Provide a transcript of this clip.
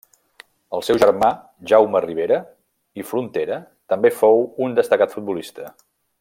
El seu germà Jaume Ribera i Frontera també fou un destacat futbolista.